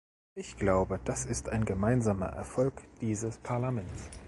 Ich glaube, das ist ein gemeinsamer Erfolg dieses Parlaments.